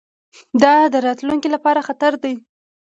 دا د راتلونکي لپاره خطر دی.